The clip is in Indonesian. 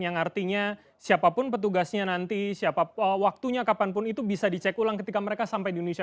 yang artinya siapapun petugasnya nanti siapa waktunya kapanpun itu bisa dicek ulang ketika mereka sampai di indonesia